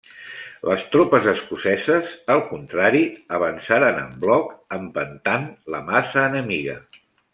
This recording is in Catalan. Les tropes escoceses, al contrari, avançaren en bloc, empentant la massa enemiga.